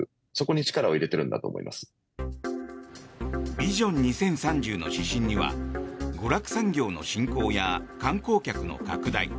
ビジョン２０３０の指針には娯楽産業の振興や観光客の拡大